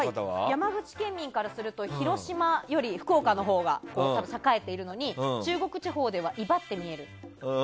山口県民からすると広島より福岡のほうが栄えているのに中国地方では威張って見える。